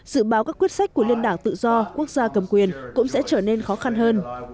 dự báo các quyết sách của liên đảng tự do quốc gia cầm quyền cũng sẽ trở nên khó khăn hơn